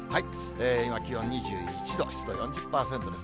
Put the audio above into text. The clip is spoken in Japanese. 今、気温２１度、湿度４０％です。